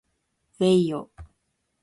うぇいよ